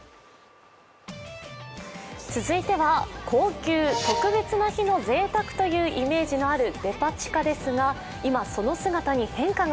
続いては高級、特別な日のぜいたくというイメージのあるデパ地下ですが今、その姿に変化が。